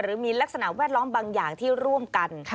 หรือมีลักษณะแวดล้อมบางอย่างที่ร่วมกัน